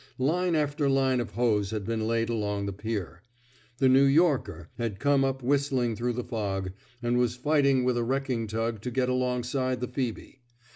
Line after line of hose had been laid along the pier. The New Yorker had come up whistling through the fog, and was fighting with a wrecking tug to get alongside the Phoebe.